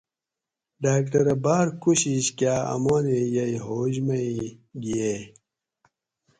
ڈاکٹرہ باۤر کوشش کاۤ امانیں یئی ہوش مئی گِھیئے